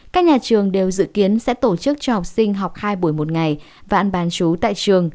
các nhà trường đều dự kiến sẽ tổ chức cho học sinh học hai buổi một ngày và ăn bán chú tại trường